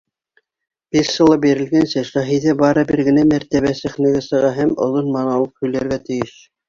Пьесала бирелгәнсә, Шаһиҙә бары бер генә мәртәбә сәхнәгә сыға һәм оҙон монолог һөйләргә тейеш.